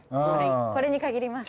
これにかぎります。